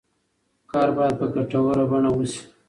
کار باید په ګټوره بڼه وشي.